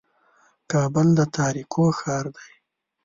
کابل د تاریکو ښار دی.